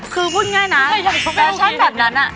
คือพูดง่ายนะแมวชั่นแบบนั้น